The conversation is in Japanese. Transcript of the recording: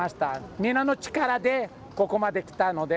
みんなの力で、ここまできたので。